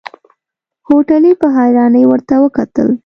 هوټلي په حيرانۍ ورته وکتل.